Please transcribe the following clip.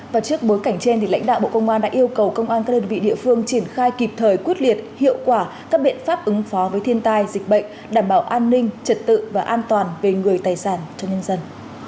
và trước bối cảnh trên lãnh đạo bộ công an đã yêu cầu công an các đơn vị địa phương triển khai kịp thời quyết liệt hiệu quả các biện pháp ứng phó với thiên tai dịch bệnh đảm bảo an ninh trật tự và an toàn về người tài sản cho nhân dân